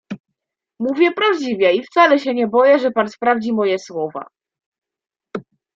"Mówię prawdziwie i wcale się nie boję, że pan sprawdzi moje słowa."